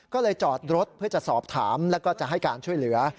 ก็เลยจอดรถเพื่อจะสอบถามแล้วก็จะให้การช่วยเหลือ